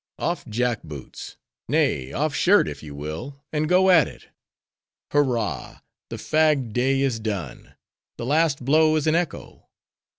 Off jack boots; nay, off shirt, if you will, and go at it. Hurrah! the fagged day is done: the last blow is an echo.